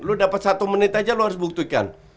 lu dapet satu menit aja lu harus buktikan